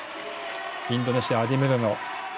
インドネシア、アディムリョノ。